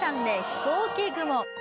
・「ひこうき雲」